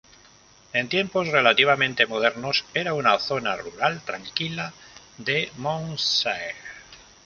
En tiempos relativamente modernos era una zona rural tranquila de Monmouthshire.